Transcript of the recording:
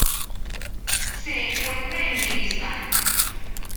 Se encuentra en Kirguistán.